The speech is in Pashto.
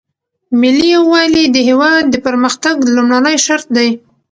ملي یووالی د هیواد د پرمختګ لومړنی شرط دی.